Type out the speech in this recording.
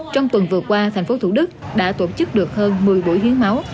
trong tuần vừa qua tp thủ đức đã tổ chức được hơn một mươi buổi hiến máu